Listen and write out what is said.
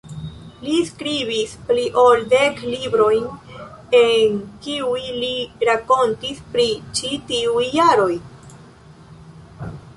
Li skribis pli ol dek librojn, en kiuj li rakontis pri ĉi tiuj jaroj.